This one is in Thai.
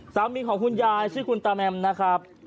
สามีของคุณยายชื่อคุณตาแมมนะครับ